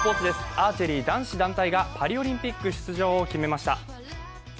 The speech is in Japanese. アーチェリー男子団体がパリオリンピック出場を決めました。